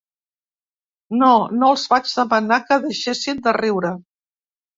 No, no els vaig demanar que deixessin de riure.